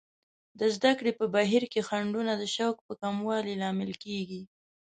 د زده کړې په بهیر کې خنډونه د شوق په کموالي لامل کیږي.